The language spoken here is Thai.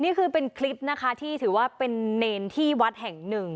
นี่คือเป็นคลิปนะคะที่ถือว่าเป็นเนรที่วัดแห่งหนึ่ง